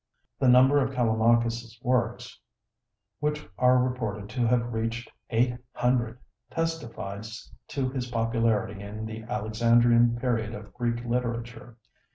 The number of Callimachus's works, which are reported to have reached eight hundred, testifies to his popularity in the Alexandrian period of Greek literature.